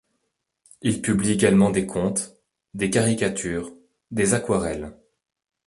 Il publie également des contes, des caricatures, des aquarelles.